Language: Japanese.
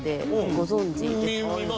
ご存じですか？